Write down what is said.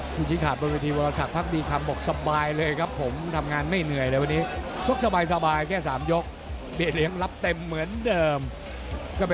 คุณชิคขาดบนวิทยาลัยภาคดีค่ะ